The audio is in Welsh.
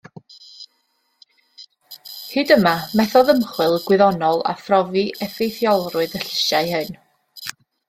Hyd yma, methodd ymchwil gwyddonol â phrofi effeithiolrwydd y llysiau hyn.